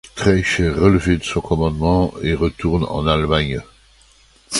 Streich est relevé de son commandement et retourne en Allemagne.